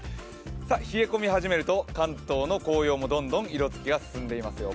冷え込み始めると関東の紅葉もどんどん色づき始めますよ。